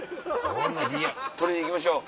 取りに行きましょう。